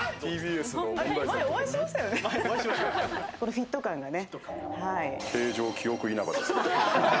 フィット感がね。